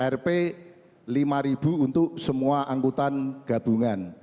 rp lima untuk semua angkutan gabungan